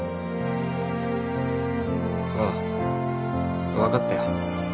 ああ分かったよ。